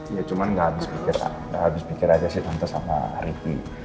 ya cuma gak habis pikir gak habis pikir aja sih sama ricky